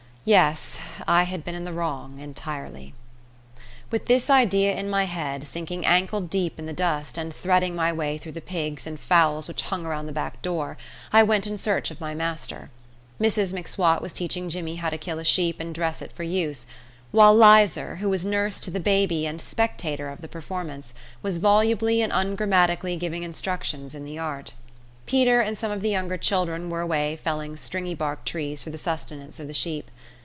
Yes; I had been in the wrong entirely. With this idea in my head, sinking ankle deep in the dust, and threading my way through the pigs and fowls which hung around the back door, I went in search of my master. Mrs M'Swat was teaching Jimmy how to kill a sheep and dress it for use; while Lizer, who was nurse to the baby and spectator of the performance, was volubly and ungrammatically giving instructions in the art. Peter and some of the younger children were away felling stringybark trees for the sustenance of the sheep.